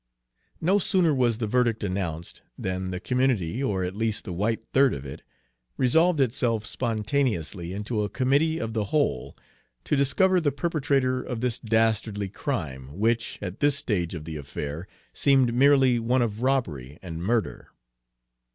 No sooner was the verdict announced than the community, or at least the white third of it, resolved itself spontaneously into a committee of the whole to discover the perpetrator of this dastardly crime, which, at this stage of the affair, seemed merely one of robbery and murder.